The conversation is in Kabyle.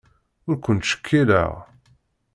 Ur ken-ttcekkileɣ.